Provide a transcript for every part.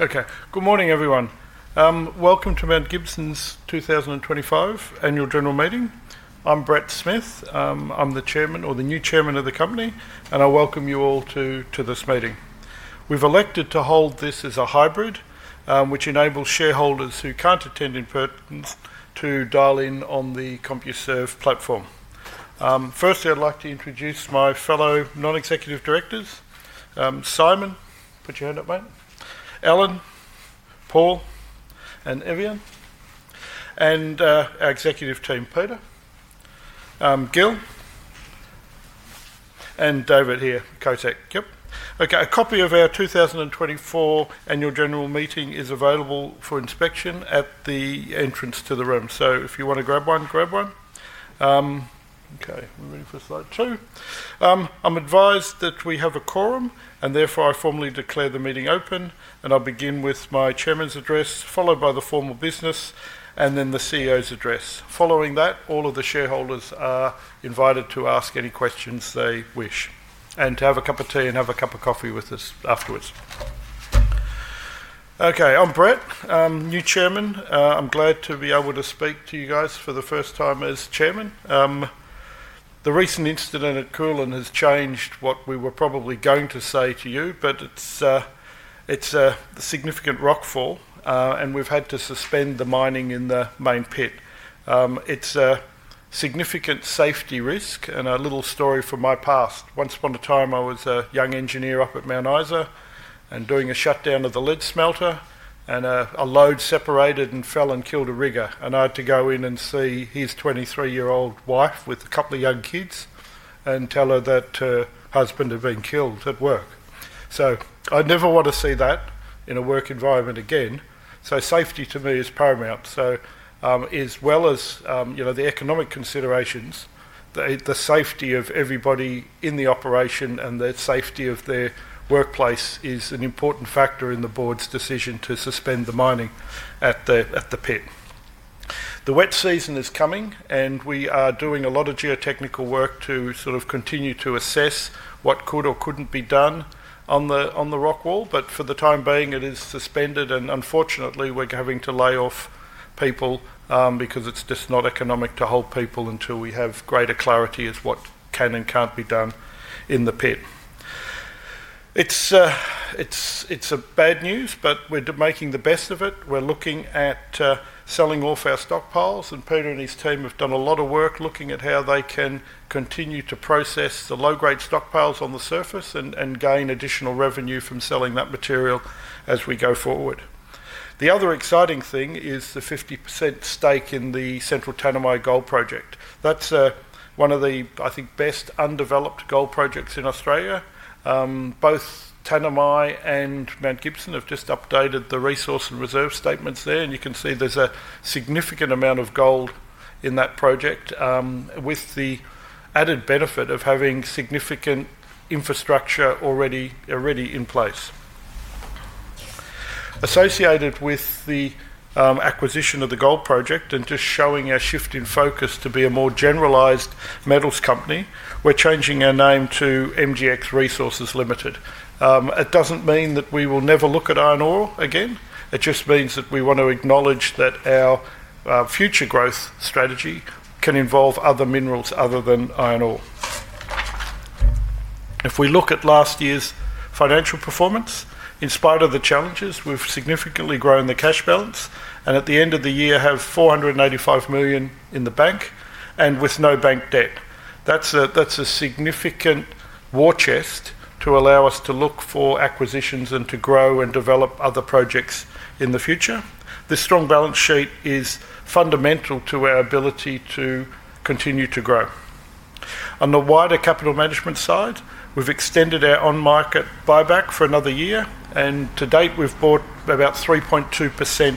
Okay, good morning everyone. Welcome to Mount Gibson's 2025 Annual General Meeting. I'm Brett Smith. I'm the Chairman, or the new Chairman, of the company, and I welcome you all to this meeting. We've elected to hold this as a hybrid, which enables shareholders who can't attend in person to dial in on the Computershare platform. Firstly, I'd like to introduce my fellow non-executive directors: Simon, put your hand up, mate, Alan, Paul, and Evian, and our executive team, Peter, Gill, and David here, Kotek. Yep. Okay, a copy of our 2024 Annual General Meeting is available for inspection at the entrance to the room, so if you want to grab one, grab one. Okay, moving for slide two. I'm advised that we have a quorum, and therefore I formally declare the meeting open, and I'll begin with my Chairman's address, followed by the formal business, and then the CEO's address. Following that, all of the shareholders are invited to ask any questions they wish, and to have a cup of tea and have a cup of coffee with us afterwards. Okay, I'm Brett, new Chairman. I'm glad to be able to speak to you guys for the first time as Chairman. The recent incident at Koolyanobbing has changed what we were probably going to say to you, but it's a significant rock fall, and we've had to suspend the mining in the main pit. It's a significant safety risk and a little story from my past. Once upon a time, I was a young engineer up at Mount Isa and doing a shutdown of the lead smelter, and a load separated and fell and killed a rigger, and I had to go in and see his 23-year-old wife with a couple of young kids and tell her that her husband had been killed at work. I never want to see that in a work environment again. Safety to me is paramount. As well as, you know, the economic considerations, the safety of everybody in the operation and the safety of their workplace is an important factor in the board's decision to suspend the mining at the pit. The wet season is coming, and we are doing a lot of geotechnical work to sort of continue to assess what could or could not be done on the rock wall, but for the time being, it is suspended, and unfortunately, we are having to lay off people because it is just not economic to hold people until we have greater clarity as to what can and cannot be done in the pit. It is bad news, but we are making the best of it. We are looking at selling off our stockpiles, and Peter and his team have done a lot of work looking at how they can continue to process the low-grade stockpiles on the surface and gain additional revenue from selling that material as we go forward. The other exciting thing is the 50% stake in the Central Tanami Gold Project. That is one of the, I think, best undeveloped gold projects in Australia. Both Tanami and Mount Gibson have just updated the resource and reserve statements there, and you can see there's a significant amount of gold in that project with the added benefit of having significant infrastructure already in place. Associated with the acquisition of the gold project and just showing our shift in focus to be a more generalised metals company, we're changing our name to MGX Resources Limited. It doesn't mean that we will never look at iron ore again. It just means that we want to acknowledge that our future growth strategy can involve other minerals other than iron ore. If we look at last year's financial performance, in spite of the challenges, we've significantly grown the cash balance and at the end of the year have 485 million in the bank and with no bank debt. That's a significant war chest to allow us to look for acquisitions and to grow and develop other projects in the future. This strong balance sheet is fundamental to our ability to continue to grow. On the wider capital management side, we've extended our on-market buyback for another year, and to date, we've bought about 3.2%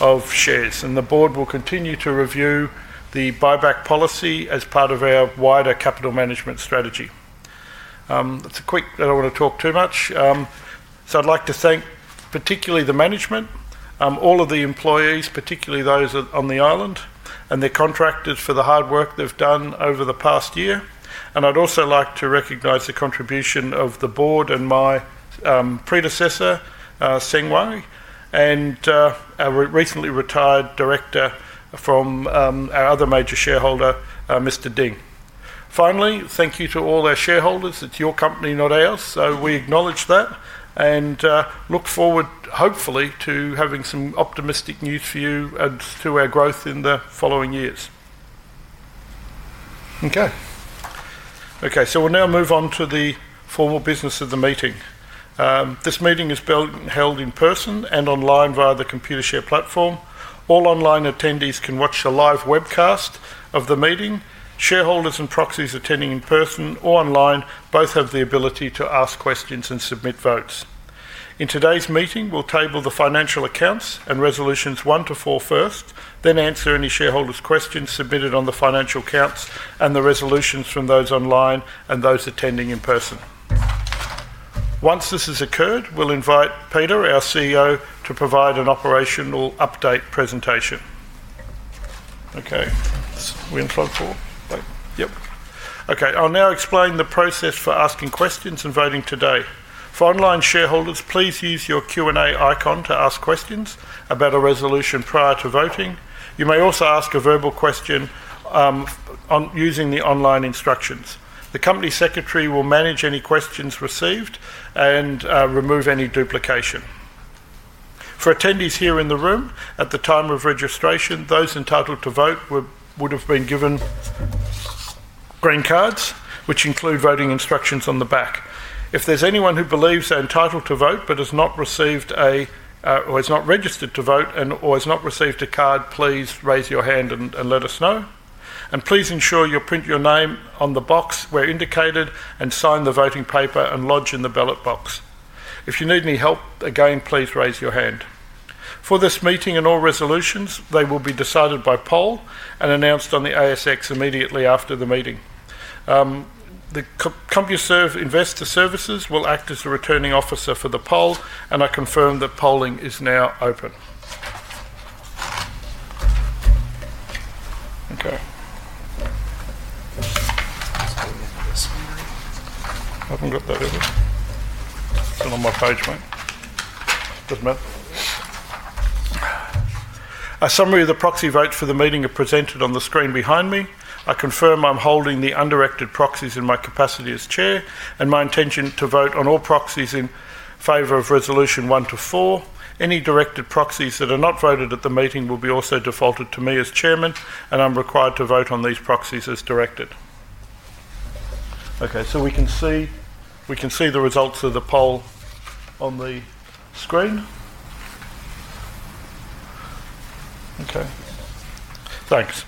of shares, and the board will continue to review the buyback policy as part of our wider capital management strategy. That's a quick—I don't want to talk too much. I would like to thank particularly the management, all of the employees, particularly those on the island and their contractors for the hard work they've done over the past year, and I'd also like to recognize the contribution of the board and my predecessor, Seng-Hui, and our recently retired director from our other major shareholder, Mr. Ding. Finally, thank you to all our shareholders. It's your company, not ours, so we acknowledge that and look forward, hopefully, to having some optimistic news for you as to our growth in the following years. Okay. Okay, so we'll now move on to the formal business of the meeting. This meeting is held in person and online via the Computershare platform. All online attendees can watch a live webcast of the meeting. Shareholders and proxies attending in person or online both have the ability to ask questions and submit votes. In today's meeting, we'll table the financial accounts and resolutions one to four first, then answer any shareholders' questions submitted on the financial accounts and the resolutions from those online and those attending in person. Once this has occurred, we'll invite Peter, our CEO, to provide an operational update presentation. Okay. Wind slide four. Yep. Okay, I'll now explain the process for asking questions and voting today. For online shareholders, please use your Q&A icon to ask questions about a resolution prior to voting. You may also ask a verbal question using the online instructions. The Company Secretary will manage any questions received and remove any duplication. For attendees here in the room, at the time of registration, those entitled to vote would have been given green cards, which include voting instructions on the back. If there is anyone who believes they are entitled to vote but has not received a—or is not registered to vote and/or has not received a card, please raise your hand and let us know. Please ensure you print your name on the box where indicated and sign the voting paper and lodge in the ballot box. If you need any help again, please raise your hand. For this meeting and all resolutions, they will be decided by poll and announced on the ASX immediately after the meeting. The Computershare Investor Services will act as the returning officer for the poll, and I confirm that polling is now open. Okay. I haven't got that over. It's on my page, mate. A summary of the proxy votes for the meeting are presented on the screen behind me. I confirm I'm holding the undirected proxies in my capacity as chair and my intention to vote on all proxies in favor of resolution one to four. Any directed proxies that are not voted at the meeting will be also defaulted to me as chairman, and I'm required to vote on these proxies as directed. Okay, so we can see the results of the poll on the screen. Okay. Thanks.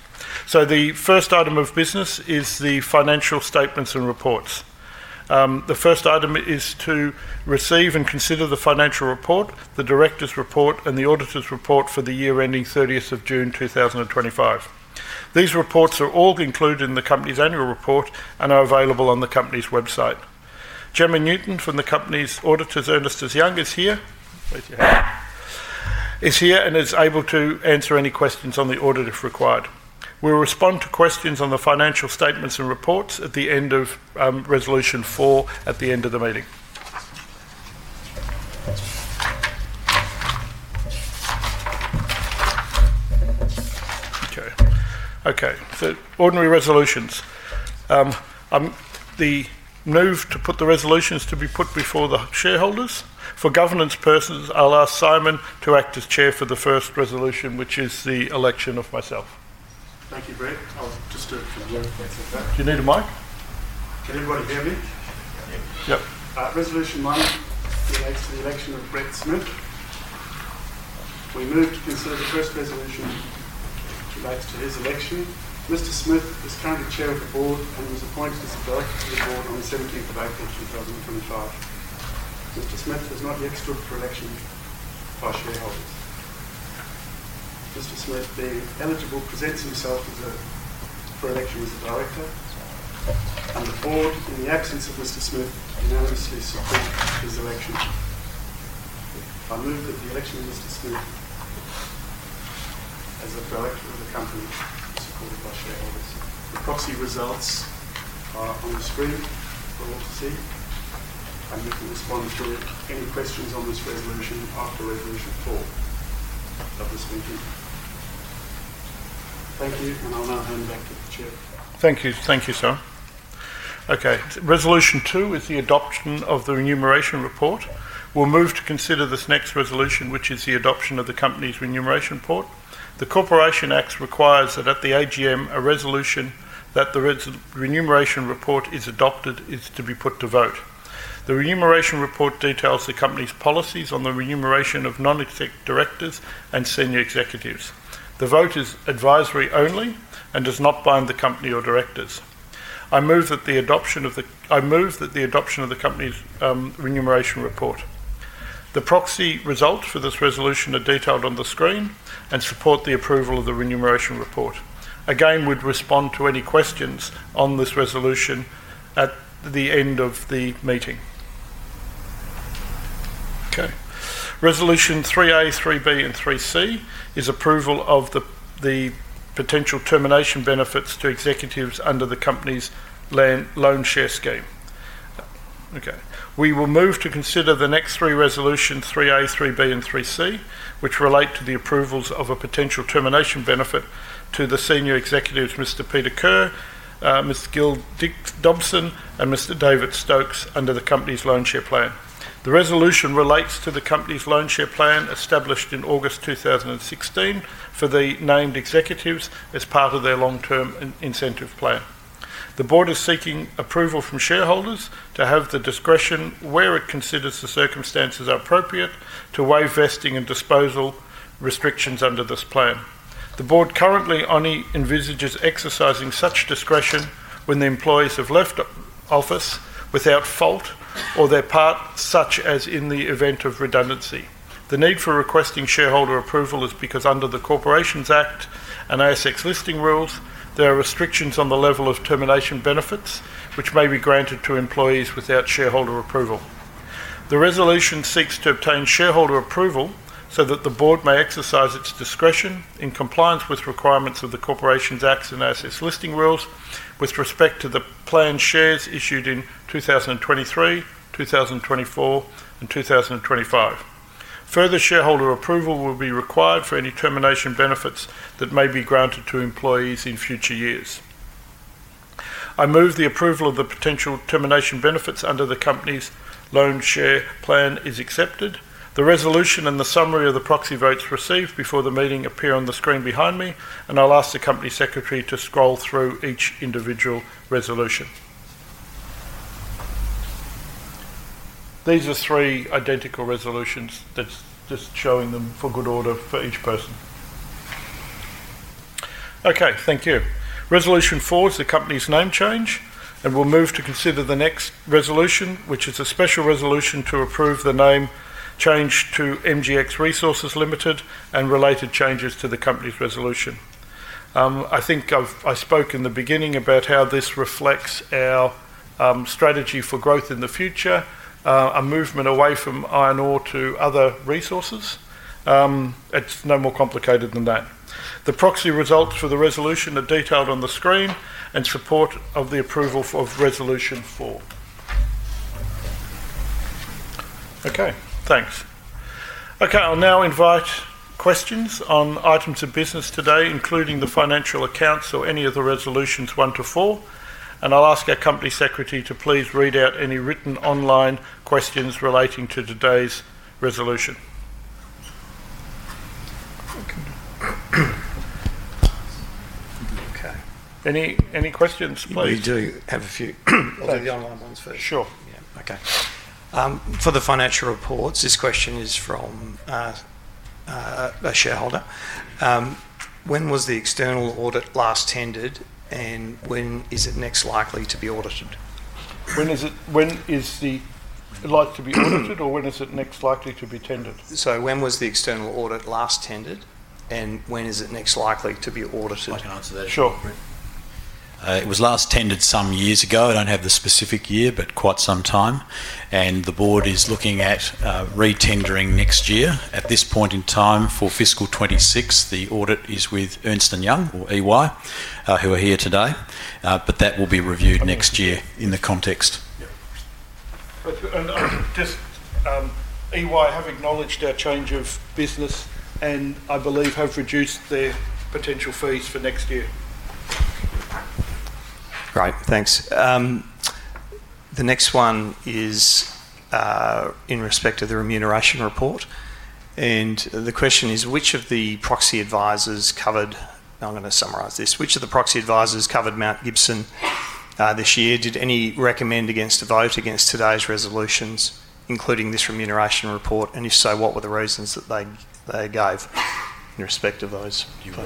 The first item of business is the financial statements and reports. The first item is to receive and consider the financial report, the directors' report, and the auditor's report for the year ending 30th of June 2025. These reports are all included in the company's annual report and are available on the company's website. Jemma Newton from the company's auditors, Ernst & Young, is here. Raise your hand. Is here and is able to answer any questions on the audit if required. We'll respond to questions on the financial statements and reports at the end of resolution four at the end of the meeting. Okay. Okay, ordinary resolutions. The move to put the resolutions to be put before the shareholders. For governance purposes, I'll ask Simon to act as chair for the first resolution, which is the election of myself. Thank you, Brett. I'll just confirm things like that. Do you need a mic? Can everybody hear me? Yep. Yep. Resolution one relates to the election of Brett Smith. We move to consider the first resolution relates to his election. Mr. Smith is currently Chair of the Board and was appointed as a director of the Board on the 17th of April 2025. Mr. Smith has not yet stood for election by shareholders. Mr. Smith, being eligible, presents himself for election as a director, and the Board, in the absence of Mr. Smith, unanimously supports his election. I move that the election of Mr. Smith as a director of the company be supported by shareholders. The proxy results are on the screen for all to see, and you can respond to any questions on this resolution after resolution four of this meeting. Thank you, and I'll now hand back to the Chair. Thank you. Thank you, sir. Okay, resolution two is the adoption of the remuneration report. We'll move to consider this next resolution, which is the adoption of the company's remuneration report. The Corporations Act requires that at the AGM, a resolution that the remuneration report is adopted is to be put to vote. The remuneration report details the company's policies on the remuneration of non-executive directors and senior executives. The vote is advisory only and does not bind the company or directors. I move that the adoption of the—I move that the adoption of the company's remuneration report. The proxy results for this resolution are detailed on the screen and support the approval of the remuneration report. Again, we'd respond to any questions on this resolution at the end of the meeting. Okay. Resolution 3A, 3B, and 3C is approval of the potential termination benefits to executives under the company's loan share scheme. Okay. We will move to consider the next three resolutions, 3A, 3B, and 3C, which relate to the approvals of a potential termination benefit to the senior executives, Mr. Peter Kerr, Ms. Gill Dobson, and Mr. David Stokes under the company's loan share plan. The resolution relates to the company's loan share plan established in August 2016 for the named executives as part of their long-term incentive plan. The board is seeking approval from shareholders to have the discretion where it considers the circumstances appropriate to waive vesting and disposal restrictions under this plan. The board currently only envisages exercising such discretion when the employees have left office without fault or their part, such as in the event of redundancy. The need for requesting shareholder approval is because under the Corporations Act and ASX listing rules, there are restrictions on the level of termination benefits which may be granted to employees without shareholder approval. The resolution seeks to obtain shareholder approval so that the board may exercise its discretion in compliance with requirements of the Corporations Act and ASX listing rules with respect to the planned shares issued in 2023, 2024, and 2025. Further shareholder approval will be required for any termination benefits that may be granted to employees in future years. I move the approval of the potential termination benefits under the company's loan share plan is accepted. The resolution and the summary of the proxy votes received before the meeting appear on the screen behind me, and I'll ask the company secretary to scroll through each individual resolution. These are three identical resolutions. That's just showing them for good order for each person. Okay, thank you. Resolution four is the company's name change, and we'll move to consider the next resolution, which is a special resolution to approve the name change to MGX Resources Limited and related changes to the company's resolution. I think I spoke in the beginning about how this reflects our strategy for growth in the future, a movement away from iron ore to other resources. It's no more complicated than that. The proxy results for the resolution are detailed on the screen in support of the approval of resolution four. Okay, thanks. Okay, I'll now invite questions on items of business today, including the financial accounts or any of the resolutions one to four, and I'll ask our company secretary to please read out any written online questions relating to today's resolution. Okay. Any questions, please? We do have a few. The online ones first. Sure. Yeah. Okay. For the financial reports, this question is from a shareholder. When was the external audit last tendered, and when is it next likely to be audited? When is it—when is the—likely to be audited, or when is it next likely to be tendered? When was the external audit last tended, and when is it next likely to be audited? I can answer that. Sure. It was last tendered some years ago. I don't have the specific year, but quite some time, and the board is looking at re-tendering next year. At this point in time for fiscal 2026, the audit is with Ernst & Young or EY, who are here today, but that will be reviewed next year in the context. EY have acknowledged our change of business and I believe have reduced their potential fees for next year. Great. Thanks. The next one is in respect of the remuneration report, and the question is, which of the proxy advisors covered—I am going to summarise this—which of the proxy advisors covered Mount Gibson this year? Did any recommend against a vote against today's resolutions, including this remuneration report? If so, what were the reasons that they gave in respect of those? You can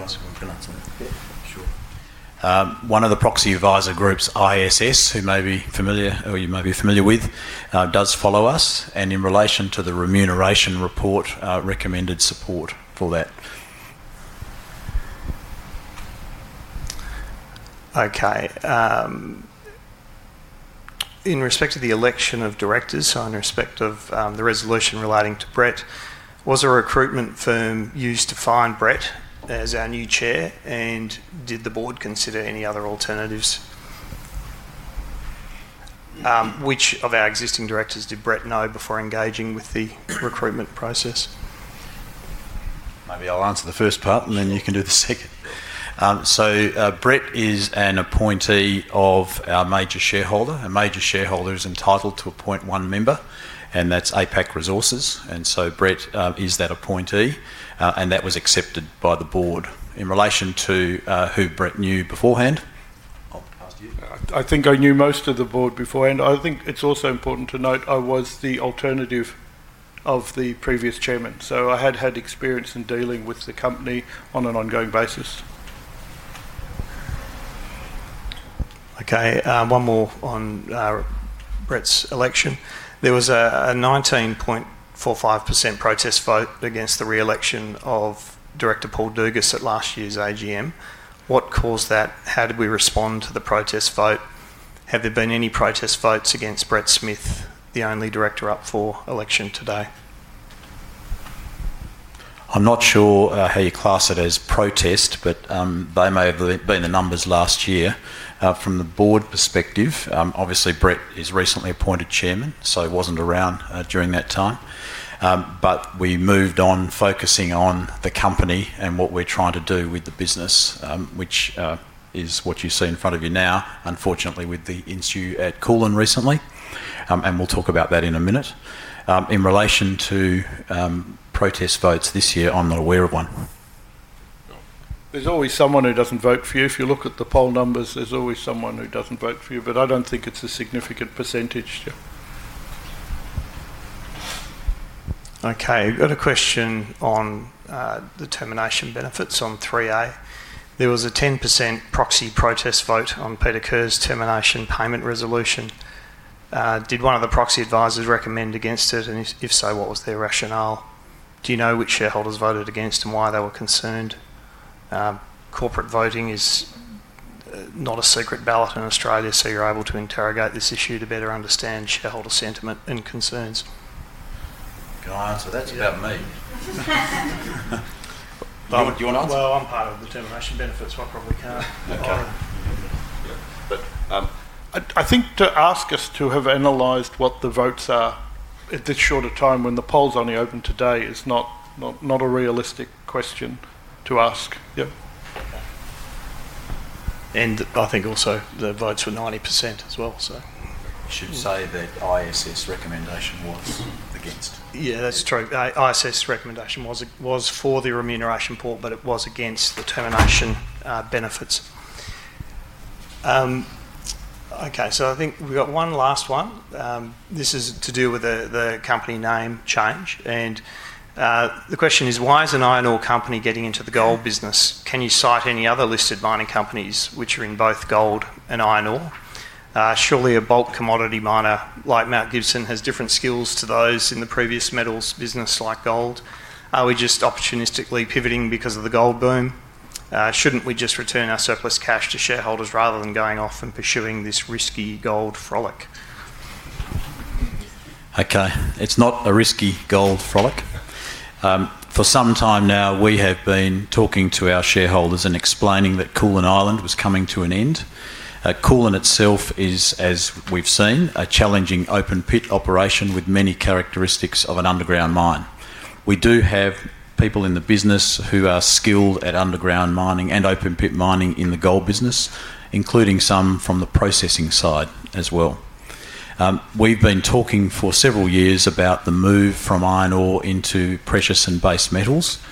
answer. Sure. One of the proxy advisor groups, ISS, who may be familiar or you may be familiar with, does follow us, and in relation to the remuneration report, recommended support for that. Okay. In respect of the election of directors, so in respect of the resolution relating to Brett, was a recruitment firm used to find Brett as our new chair, and did the board consider any other alternatives? Which of our existing directors did Brett know before engaging with the recruitment process? Maybe I'll answer the first part, and then you can do the second. Brett is an appointee of our major shareholder. A major shareholder is entitled to appoint one member, and that's APAC Resources, and Brett is that appointee, and that was accepted by the board. In relation to who Brett knew beforehand? I think I knew most of the board beforehand. I think it's also important to note I was the alternate of the previous chairman, so I had had experience in dealing with the company on an ongoing basis. Okay. One more on Brett's election. There was a 19.45% protest vote against the re-election of Director Paul Dougas at last year's AGM. What caused that? How did we respond to the protest vote? Have there been any protest votes against Brett Smith, the only director up for election today? I'm not sure how you class it as protest, but they may have been the numbers last year. From the board perspective, obviously Brett is recently appointed Chairman, so he wasn't around during that time, but we moved on focusing on the company and what we're trying to do with the business, which is what you see in front of you now, unfortunately with the issue at Koolyanobbing recently, and we'll talk about that in a minute. In relation to protest votes this year, I'm not aware of one. There's always someone who doesn't vote for you. If you look at the poll numbers, there's always someone who doesn't vote for you, but I don't think it's a significant percentage. Okay. We've got a question on the termination benefits on 3A. There was a 10% proxy protest vote on Peter Kerr's termination payment resolution. Did one of the proxy advisors recommend against it, and if so, what was their rationale? Do you know which shareholders voted against and why they were concerned? Corporate voting is not a secret ballot in Australia, so you're able to interrogate this issue to better understand shareholder sentiment and concerns. Can I answer? That's about me. Do you want to answer? I'm part of the termination benefits, so I probably can't. Okay. I think to ask us to have analyzed what the votes are at this shorter time when the polls only open today is not a realistic question to ask. Yep. I think also the votes were 90% as well. You should say that ISS recommendation was against. Yeah, that's true. ISS recommendation was for the remuneration report, but it was against the termination benefits. Okay, I think we've got one last one. This is to do with the company name change, and the question is, why is an iron ore company getting into the gold business? Can you cite any other listed mining companies which are in both gold and iron ore? Surely a bulk commodity miner like Mount Gibson has different skills to those in the precious metals business like gold. Are we just opportunistically pivoting because of the gold boom? Shouldn't we just return our surplus cash to shareholders rather than going off and pursuing this risky gold frolic? Okay. It's not a risky gold frolic. For some time now, we have been talking to our shareholders and explaining that Koolyanobbing was coming to an end. Koolyanobbing itself is, as we've seen, a challenging open-pit operation with many characteristics of an underground mine. We do have people in the business who are skilled at underground mining and open-pit mining in the gold business, including some from the processing side as well. We've been talking for several years about the move from iron ore into precious and base metals.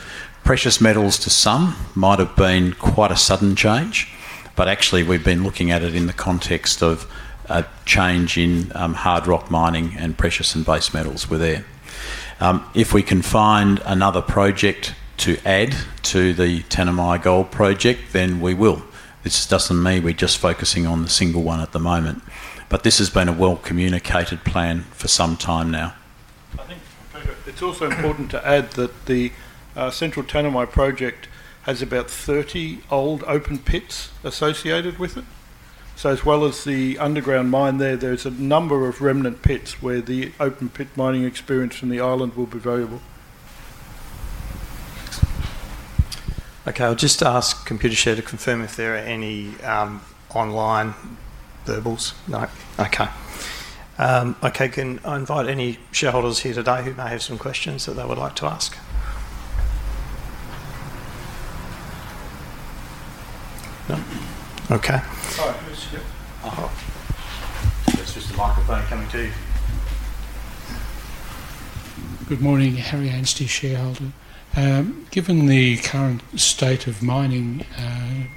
Precious metals to some might have been quite a sudden change, but actually we've been looking at it in the context of a change in hard rock mining and precious and base metals were there. If we can find another project to add to the Central Tanami Gold Project, then we will. This doesn't mean we're just focusing on the single one at the moment, but this has been a well-communicated plan for some time now. I think it's also important to add that the Central Tanami Project has about 30 old open pits associated with it. As well as the underground mine there, there's a number of remnant pits where the open-pit mining experience from Koolyanobbing will be valuable. Okay. I'll just ask Computershare to confirm if there are any online verbals. No? Okay. Okay. Can I invite any shareholders here today who may have some questions that they would like to ask? No? Okay. Hi. It's just the microphone coming to you. Good morning. Harry Anstey, shareholder. Given the current state of mining,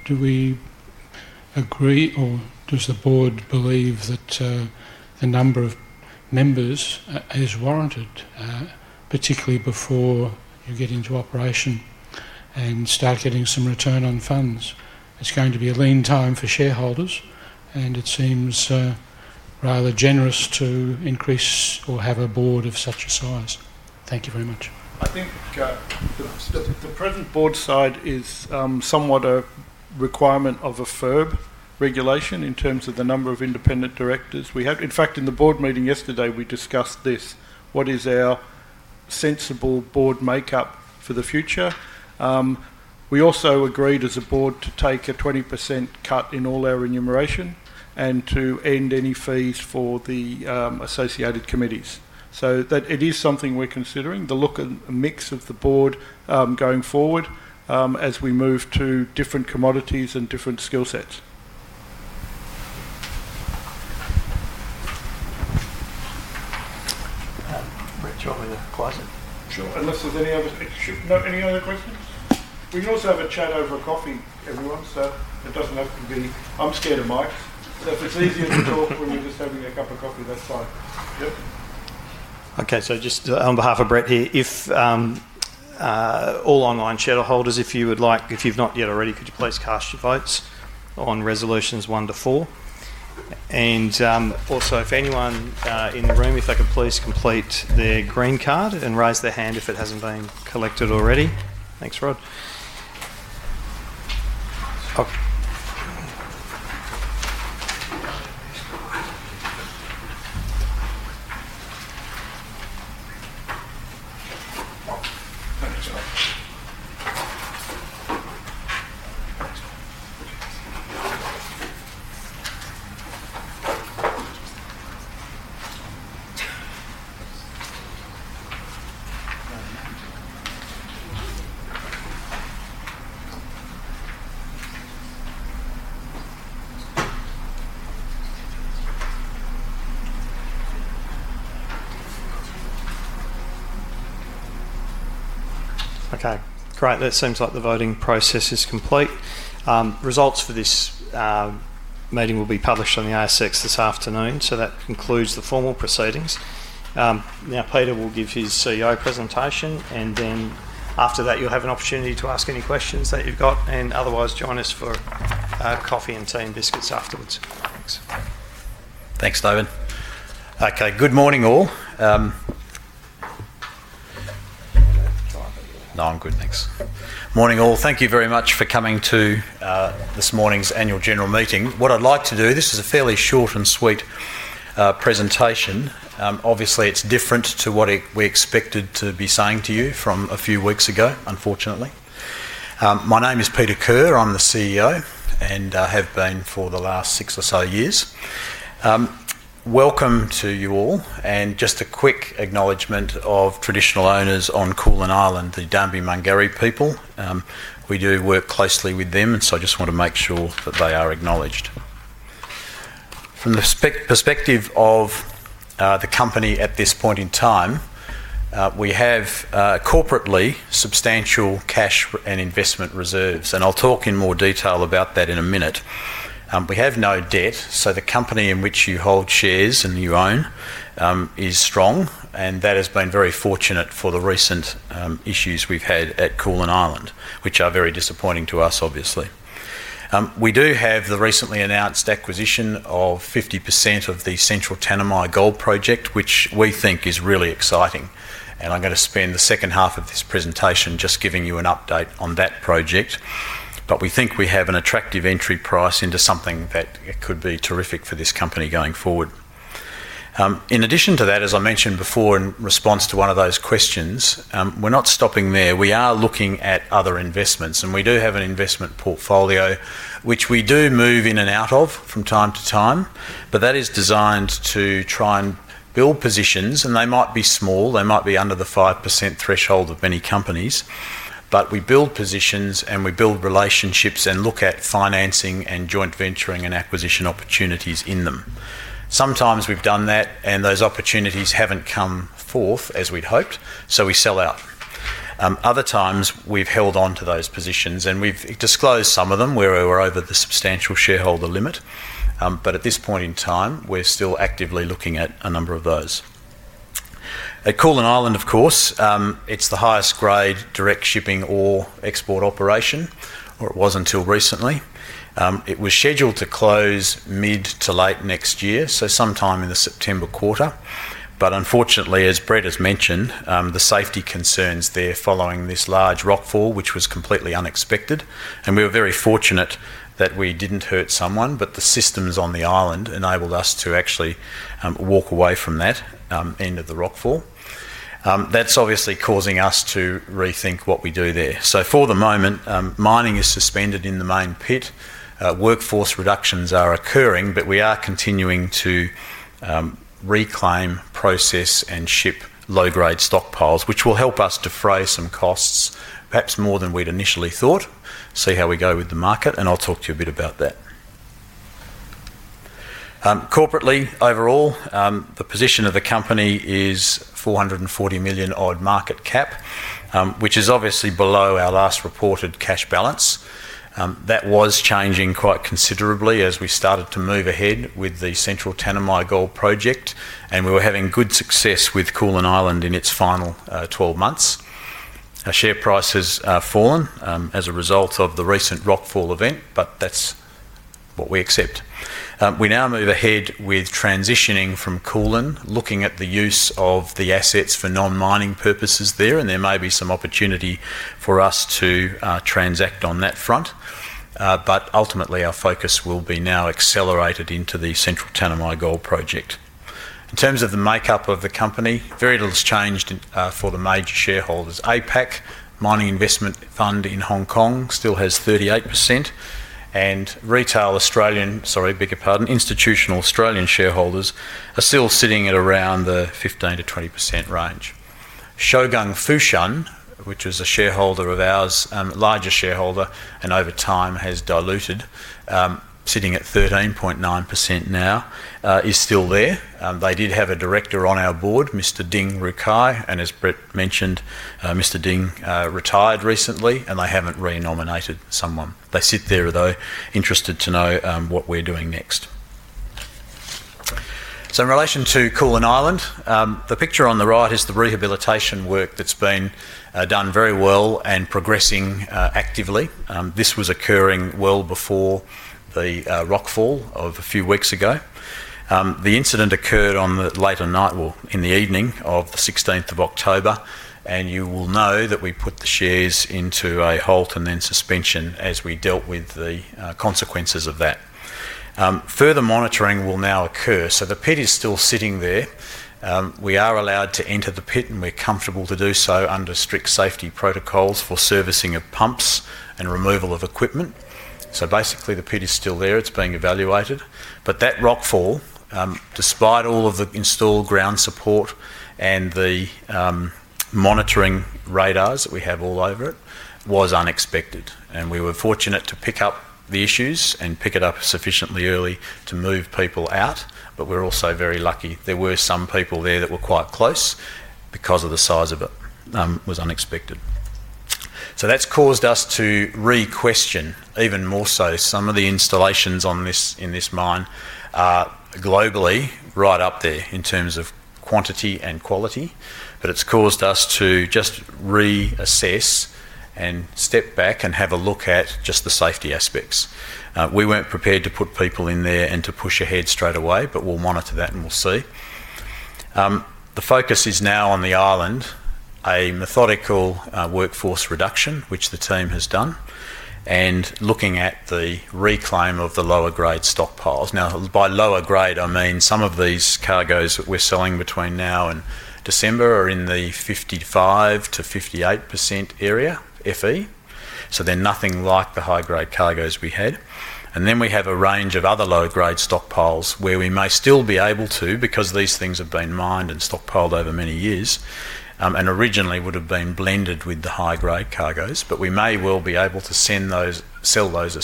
do we agree or does the board believe that the number of members is warranted, particularly before you get into operation and start getting some return on funds? It's going to be a lean time for shareholders, and it seems rather generous to increase or have a board of such a size. Thank you very much. I think the present board side is somewhat a requirement of a FERB regulation in terms of the number of independent directors we have. In fact, in the board meeting yesterday, we discussed this. What is our sensible board makeup for the future? We also agreed as a board to take a 20% cut in all our remuneration and to end any fees for the associated committees. It is something we're considering, the look and mix of the board going forward as we move to different commodities and different skill sets. Brett's right with a closet. Sure. Unless there's any other—no, any other questions? We can also have a chat over coffee, everyone, so it doesn't have to be—I'm scared of mics. If it's easier to talk when you're just having a cup of coffee, that's fine. Yep. Okay. So just on behalf of Brett here, if all online shareholders, if you would like, if you've not yet already, could you please cast your votes on resolutions one to four? Also, if anyone in the room, if they could please complete their green card and raise their hand if it hasn't been collected already. Thanks, Rod. Okay. Great. That seems like the voting process is complete. Results for this meeting will be published on the ASX this afternoon, so that concludes the formal proceedings. Now, Peter will give his CEO presentation, and then after that, you'll have an opportunity to ask any questions that you've got, and otherwise join us for coffee and tea and biscuits afterwards. Thanks. Thanks, David. Okay. Good morning, all. No, I'm good. Thanks. Morning, all. Thank you very much for coming to this morning's annual general meeting. What I'd like to do—this is a fairly short and sweet presentation. Obviously, it's different to what we expected to be saying to you from a few weeks ago, unfortunately. My name is Peter Kerr. I'm the CEO and have been for the last six or so years. Welcome to you all, and just a quick acknowledgement of traditional owners on Koolyanobbing, the Dambimangari people. We do work closely with them, and so I just want to make sure that they are acknowledged. From the perspective of the company at this point in time, we have corporately substantial cash and investment reserves, and I'll talk in more detail about that in a minute. We have no debt, so the company in which you hold shares and you own is strong, and that has been very fortunate for the recent issues we have had at Koolyanobbing, which are very disappointing to us, obviously. We do have the recently announced acquisition of 50% of the Central Tanami Gold Project, which we think is really exciting, and I am going to spend the second half of this presentation just giving you an update on that project, but we think we have an attractive entry price into something that could be terrific for this company going forward. In addition to that, as I mentioned before in response to one of those questions, we are not stopping there. We are looking at other investments, and we do have an investment portfolio which we do move in and out of from time to time, but that is designed to try and build positions, and they might be small. They might be under the 5% threshold of many companies, but we build positions and we build relationships and look at financing and joint venturing and acquisition opportunities in them. Sometimes we've done that, and those opportunities haven't come forth as we'd hoped, so we sell out. Other times, we've held on to those positions, and we've disclosed some of them where we were over the substantial shareholder limit, but at this point in time, we're still actively looking at a number of those. At Koolyanobbing, of course, it's the highest-grade direct shipping ore export operation, or it was until recently. It was scheduled to close mid to late next year, so sometime in the September quarter, but unfortunately, as Brett has mentioned, the safety concerns there following this large rock fall, which was completely unexpected, and we were very fortunate that we didn't hurt someone, but the systems on the island enabled us to actually walk away from that end of the rock fall. That is obviously causing us to rethink what we do there. For the moment, mining is suspended in the main pit. Workforce reductions are occurring, but we are continuing to reclaim, process, and ship low-grade stockpiles, which will help us defray some costs, perhaps more than we'd initially thought. See how we go with the market, and I'll talk to you a bit about that. Corporately, overall, the position of the company is 440 million odd market cap, which is obviously below our last reported cash balance. That was changing quite considerably as we started to move ahead with the Central Tanami Gold Project, and we were having good success with Koolyanobbing in its final 12 months. Share prices have fallen as a result of the recent rock fall event, but that's what we accept. We now move ahead with transitioning from Koolyanobbing, looking at the use of the assets for non-mining purposes there, and there may be some opportunity for us to transact on that front, but ultimately, our focus will be now accelerated into the Central Tanami Gold Project. In terms of the makeup of the company, very little's changed for the major shareholders. APAC Resources in Hong Kong still has 38%, and retail Australian—sorry, bigger pardon—institutional Australian shareholders are still sitting at around the 15%-20% range. Shougang Fushan, which was a shareholder of ours, a larger shareholder and over time has diluted, sitting at 13.9% now, is still there. They did have a director on our board, Mr. Ding Rucai, and as Brett mentioned, Mr. Ding retired recently, and they have not renominated someone. They sit there, though, interested to know what we are doing next. In relation to Koolyanobbing, the picture on the right is the rehabilitation work that has been done very well and progressing actively. This was occurring well before the rock fall of a few weeks ago. The incident occurred late at night, in the evening of the 16th of October, and you will know that we put the shares into a halt and then suspension as we dealt with the consequences of that. Further monitoring will now occur. The pit is still sitting there. We are allowed to enter the pit, and we're comfortable to do so under strict safety protocols for servicing of pumps and removal of equipment. Basically, the pit is still there. It's being evaluated. That rock fall, despite all of the installed ground support and the monitoring radars that we have all over it, was unexpected, and we were fortunate to pick up the issues and pick it up sufficiently early to move people out, but we're also very lucky. There were some people there that were quite close because of the size of it. It was unexpected. That has caused us to re-question even more so some of the installations in this mine globally, right up there in terms of quantity and quality, but it has caused us to just reassess and step back and have a look at just the safety aspects. We were not prepared to put people in there and to push ahead straight away, but we will monitor that and we will see. The focus is now on the island, a methodical workforce reduction, which the team has done, and looking at the reclaim of the low-grade stockpiles. Now, by low grade, I mean some of these cargoes that we are selling between now and December are in the 55%-58% area FE, so they are nothing like the high-grade cargoes we had. We have a range of other lower-grade stockpiles where we may still be able to, because these things have been mined and stockpiled over many years, and originally would have been blended with the high-grade cargoes, but we may well be able to sell those as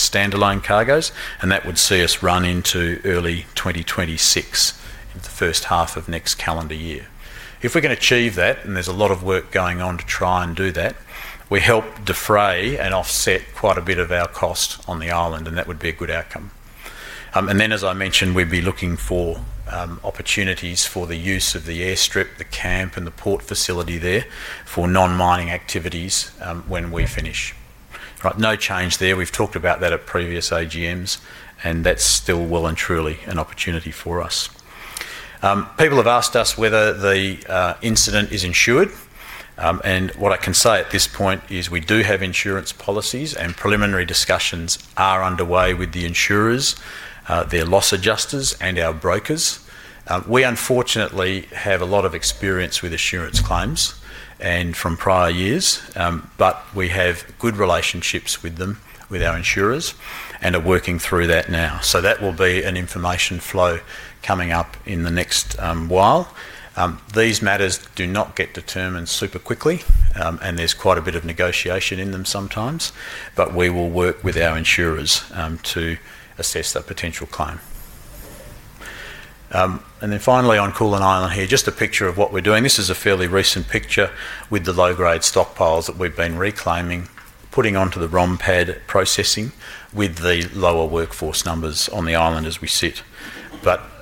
standalone cargoes. That would see us run into early 2026, the first half of next calendar year. If we can achieve that, and there is a lot of work going on to try and do that, we help defray and offset quite a bit of our cost on the island, and that would be a good outcome. As I mentioned, we would be looking for opportunities for the use of the airstrip, the camp, and the port facility there for non-mining activities when we finish. No change there. We've talked about that at previous AGMs, and that's still well and truly an opportunity for us. People have asked us whether the incident is insured, and what I can say at this point is we do have insurance policies, and preliminary discussions are underway with the insurers, their loss adjusters, and our brokers. We, unfortunately, have a lot of experience with insurance claims from prior years, but we have good relationships with them, with our insurers, and are working through that now. That will be an information flow coming up in the next while. These matters do not get determined super quickly, and there's quite a bit of negotiation in them sometimes, but we will work with our insurers to assess that potential claim. Finally, on Koolyanobbing here, just a picture of what we're doing. This is a fairly recent picture with the low-grade stockpiles that we've been reclaiming, putting onto the ROM Pad processing with the lower workforce numbers on the island as we sit.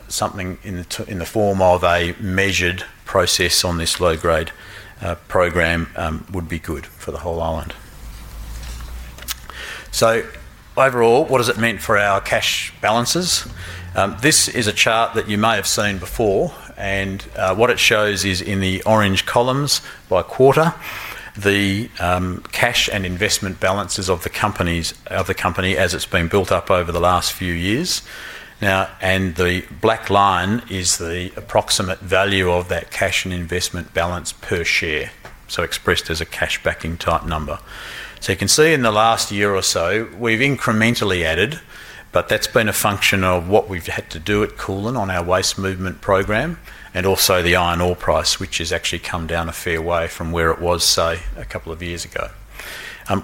Something in the form of a measured process on this low-grade program would be good for the whole island. Overall, what does it mean for our cash balances? This is a chart that you may have seen before, and what it shows is in the orange columns by quarter, the cash and investment balances of the company as it's been built up over the last few years. Now, the black line is the approximate value of that cash and investment balance per share, so expressed as a cash backing type number. You can see in the last year or so, we've incrementally added, but that's been a function of what we've had to do at Koolyanobbing on our waste movement program and also the iron ore price, which has actually come down a fair way from where it was, say, a couple of years ago.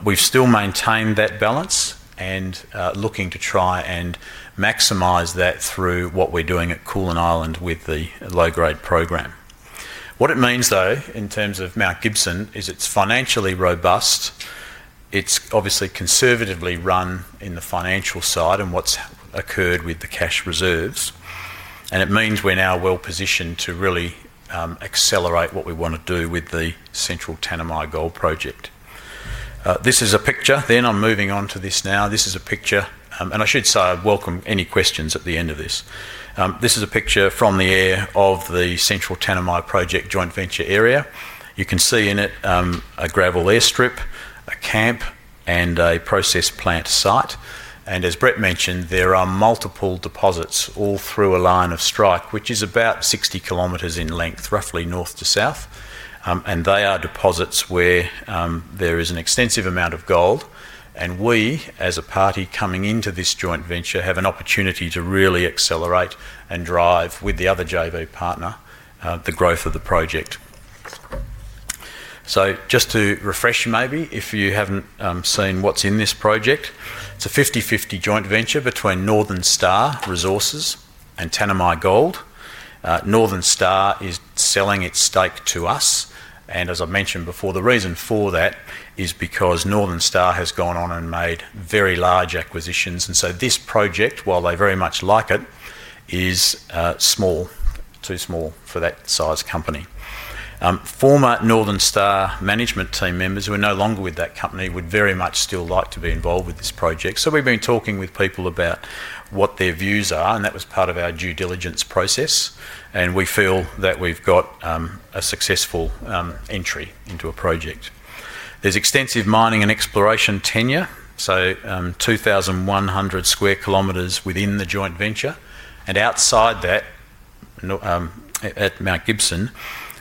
We've still maintained that balance and looking to try and maximize that through what we're doing at Koolyanobbing with the low-grade program. What it means, though, in terms of Mount Gibson, is it's financially robust. It's obviously conservatively run in the financial side and what's occurred with the cash reserves, and it means we're now well positioned to really accelerate what we want to do with the Central Tanami Gold Project. This is a picture. I'm moving on to this now. This is a picture, and I should say I welcome any questions at the end of this. This is a picture from the air of the Central Tanami Gold Project joint venture area. You can see in it a gravel airstrip, a camp, and a process plant site. As Brett mentioned, there are multiple deposits all through a line of strike, which is about 60 km in length, roughly north to south, and they are deposits where there is an extensive amount of gold, and we, as a party coming into this joint venture, have an opportunity to really accelerate and drive, with the other JV partner, the growth of the project. Just to refresh you maybe, if you have not seen what is in this project, it is a 50/50 joint venture between Northern Star Resources and Tanami Gold. Northern Star is selling its stake to us, and as I mentioned before, the reason for that is because Northern Star has gone on and made very large acquisitions, and this project, while they very much like it, is small, too small for that size company. Former Northern Star management team members who are no longer with that company would very much still like to be involved with this project, so we've been talking with people about what their views are, and that was part of our due diligence process, and we feel that we've got a successful entry into a project. There is extensive mining and exploration tenure, so 2,100 sq km within the joint venture, and outside that, at Mount Gibson,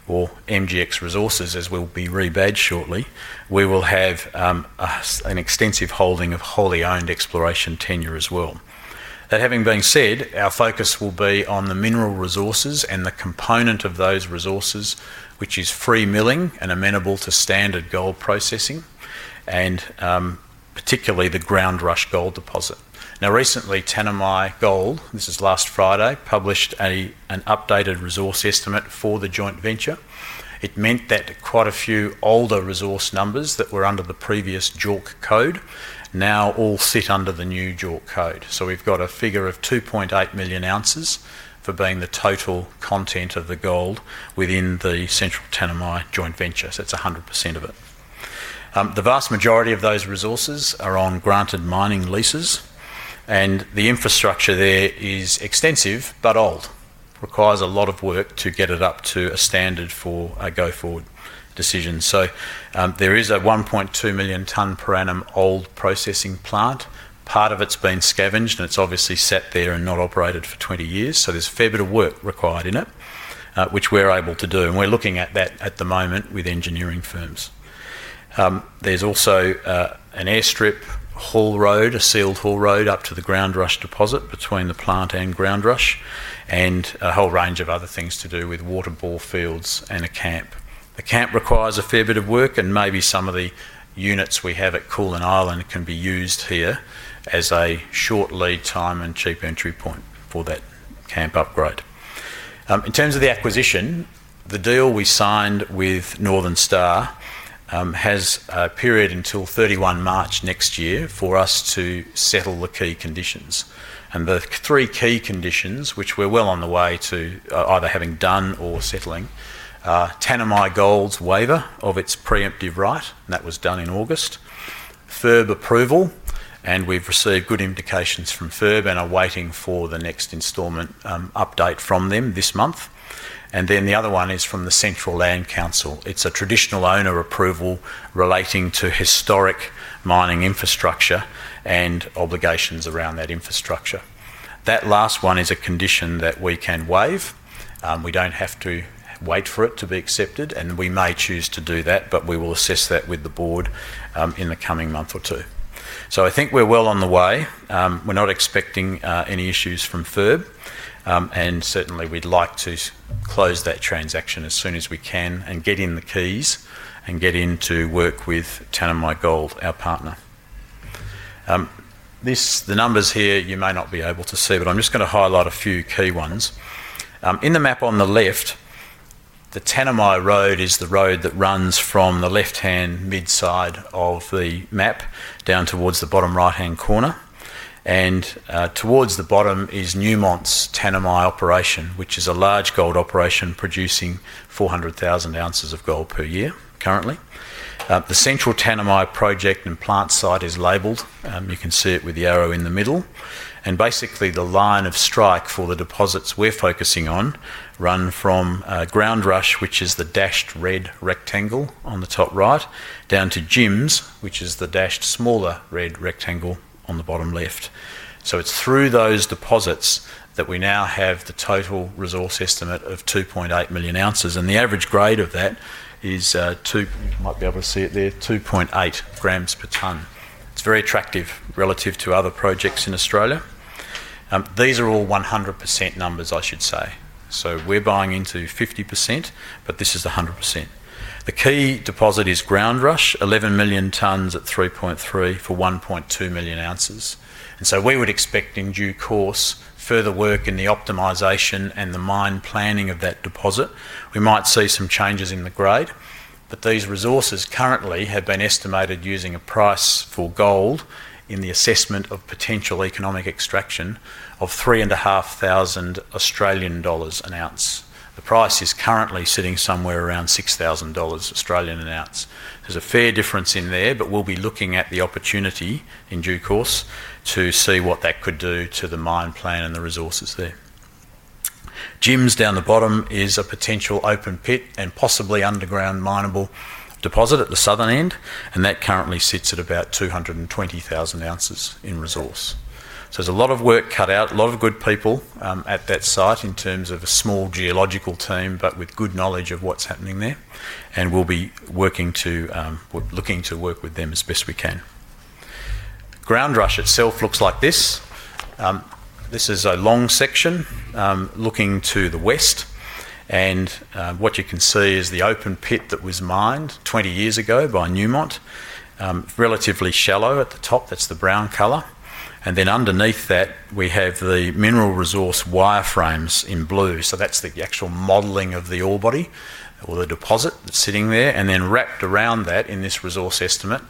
or MGX Resources, as we will be rebadged shortly, we will have an extensive holding of wholly owned exploration tenure as well. That having been said, our focus will be on the mineral resources and the component of those resources, which is free milling and amenable to standard gold processing, and particularly the Groundrush gold deposit. Now, recently, Tanami Gold, this is last Friday, published an updated resource estimate for the joint venture. It meant that quite a few older resource numbers that were under the previous JORC Code now all sit under the new JORC Code. So we've got a figure of 2.8 million oz for being the total content of the gold within the Central Tanami joint venture, so it's 100% of it. The vast majority of those resources are on granted mining leases, and the infrastructure there is extensive but old. It requires a lot of work to get it up to a standard for a go-forward decision. There is a 1.2 million tonne per annum old processing plant. Part of it has been scavenged, and it has obviously sat there and not operated for 20 years, so there is a fair bit of work required in it, which we are able to do, and we are looking at that at the moment with engineering firms. There is also an airstrip, a sealed haul road up to the Groundrush deposit between the plant and Groundrush, and a whole range of other things to do with water bore fields and a camp. The camp requires a fair bit of work, and maybe some of the units we have at Koolyanobbing can be used here as a short lead time and cheap entry point for that camp upgrade. In terms of the acquisition, the deal we signed with Northern Star has a period until 31 March next year for us to settle the key conditions. The three key conditions, which we're well on the way to either having done or settling, are Tanami Gold's waiver of its preemptive right, and that was done in August, FIRB approval, and we've received good indications from FIRB and are waiting for the next instalment update from them this month. The other one is from the Central Land Council. It's a traditional owner approval relating to historic mining infrastructure and obligations around that infrastructure. That last one is a condition that we can waive. We don't have to wait for it to be accepted, and we may choose to do that, but we will assess that with the board in the coming month or two. I think we're well on the way. We're not expecting any issues from FIRB, and certainly, we'd like to close that transaction as soon as we can and get in the keys and get in to work with Tanami Gold, our partner. The numbers here, you may not be able to see, but I'm just going to highlight a few key ones. In the map on the left, the Tanami Road is the road that runs from the left-hand mid-side of the map down towards the bottom right-hand corner, and towards the bottom is Newmont's Tanami operation, which is a large gold operation producing 400,000 oz of gold per year currently. The Central Tanami Project and plant site is labelled. You can see it with the arrow in the middle. Basically, the line of strike for the deposits we're focusing on run from Groundrush, which is the dashed red rectangle on the top right, down to Gems, which is the dashed smaller red rectangle on the bottom left. It is through those deposits that we now have the total resource estimate of 2.8 million oz, and the average grade of that is, you might be able to see it there, 2.8 g per tonne. It is very attractive relative to other projects in Australia. These are all 100% numbers, I should say. We are buying into 50%, but this is 100%. The key deposit is Groundrush, 11 million tonnes at 3.3 for 1.2 million oz. We would expect in due course further work in the optimization and the mine planning of that deposit. We might see some changes in the grade, but these resources currently have been estimated using a price for gold in the assessment of potential economic extraction of 3,500 Australian dollars an oz. The price is currently sitting somewhere around 6,000 dollars an oz. There's a fair difference in there, but we'll be looking at the opportunity in due course to see what that could do to the mine plan and the resources there. Gems down the bottom is a potential open pit and possibly underground minable deposit at the southern end, and that currently sits at about 220,000 oz in resource. There's a lot of work cut out, a lot of good people at that site in terms of a small geological team, but with good knowledge of what's happening there, and we'll be working to looking to work with them as best we can. Groundrush itself looks like this. This is a long section looking to the west, and what you can see is the open pit that was mined 20 years ago by Newmont, relatively shallow at the top, that's the brown color, and then underneath that, we have the mineral resource wireframes in blue. So that's the actual modeling of the ore body or the deposit that's sitting there, and then wrapped around that in this resource estimate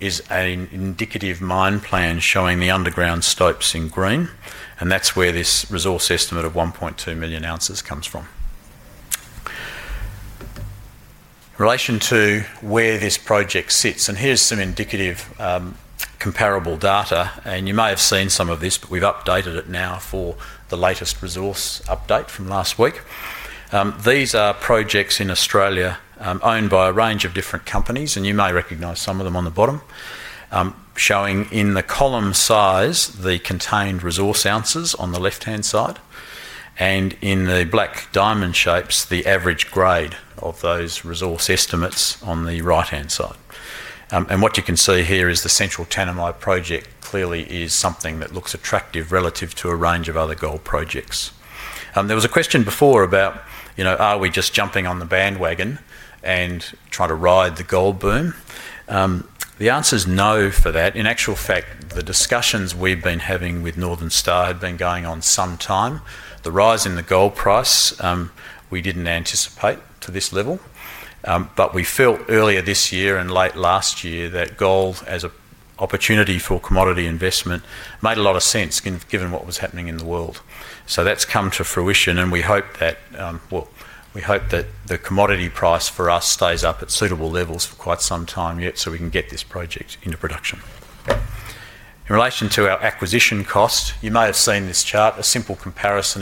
is an indicative mine plan showing the underground stopes in green, and that's where this resource estimate of 1.2 million oz comes from. Relation to where this project sits, and here's some indicative comparable data, and you may have seen some of this, but we've updated it now for the latest resource update from last week. These are projects in Australia owned by a range of different companies, and you may recognize some of them on the bottom, showing in the column size the contained resource ounces on the left-hand side, and in the black diamond shapes, the average grade of those resource estimates on the right-hand side. What you can see here is the Central Tanami Gold Project clearly is something that looks attractive relative to a range of other gold projects. There was a question before about, are we just jumping on the bandwagon and trying to ride the gold boom? The answer is no for that. In actual fact, the discussions we have been having with Northern Star have been going on some time. The rise in the gold price, we didn't anticipate to this level, but we felt earlier this year and late last year that gold as an opportunity for commodity investment made a lot of sense given what was happening in the world. That has come to fruition, and we hope that the commodity price for us stays up at suitable levels for quite some time yet so we can get this project into production. In relation to our acquisition cost, you may have seen this chart, a simple comparison